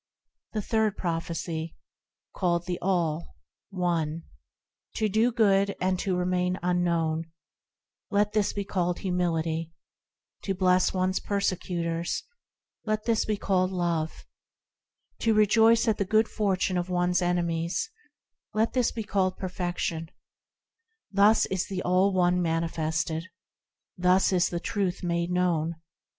The Third prophecy, called the All One TO do good and to remain unknown, Let this be called Humility ; To bless one's persecutors, Let this be called Love ; To rejoice at the good fortune of one's enemies, Let this be called Perfection : Thus is the All One manifested, Thus is the Truth made known.